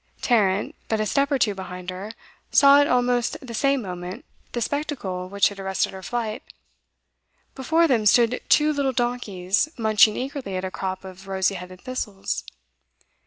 Tarrant, but a step or two behind her, saw at almost the same moment the spectacle which had arrested her flight. Before them stood two little donkeys munching eagerly at a crop of rosy headed thistles.